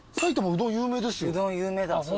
うどん有名だ。